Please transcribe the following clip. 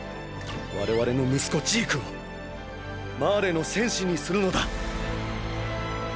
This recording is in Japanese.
我々の息子ジークを「マーレの戦士」にするのだ。